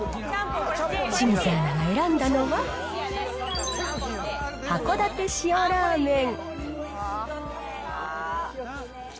清水アナが選んだのは、函館塩ラーメン。